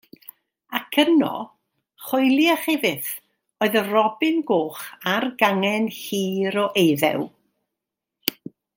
Ac yno, choeliech chi fyth, oedd y robin goch ar gangen hir o eiddew.